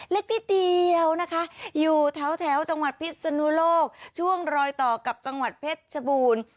เล็กนิดเดียวนะคะอยู่แถวจังหวัดพิษนุโลกช่วงรอยต่อกับจังหวัดเพชรชบูรณ์